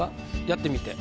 やってみて。